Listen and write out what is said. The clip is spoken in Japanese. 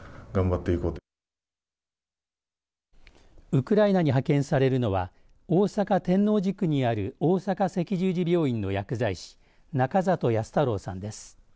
ウクライナに派遣されるのは大阪、天王寺区にある大阪赤十字病院の薬剤師仲里泰太郎さんです。